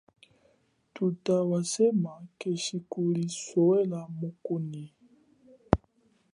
Thutha wasema keshi kuli sohwela mukunyi.